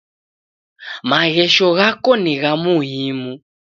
Maghesho ghako ni gha muhimu.